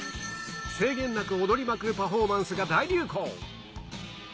制限なく踊りまくるパフォーマンスが大流行。